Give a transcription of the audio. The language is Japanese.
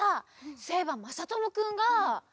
そういえばまさともくんが。